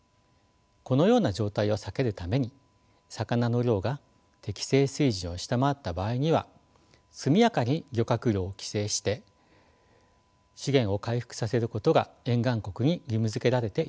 このような状態を避けるために魚の量が適正水準を下回った場合には速やかに漁獲量を規制して資源を回復させることが沿岸国に義務づけられているのです。